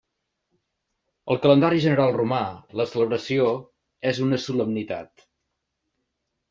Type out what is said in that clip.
Al calendari general romà, la celebració és una solemnitat.